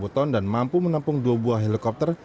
sembilan ton dan mampu menampung dua buah helikopter